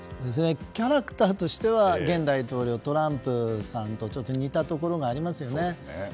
キャラクターとしては現大統領は、トランプさんと似たところがありますよね。